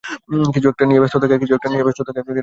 কিছু একটা নিয়ে ব্যস্ত থাকা।